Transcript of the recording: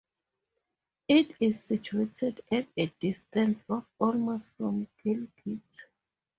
It is situated at a distance of almost from Gilgit.